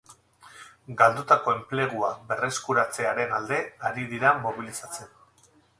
Galdutako enplegua berreskuratzearen alde ari dira mobilizatzen.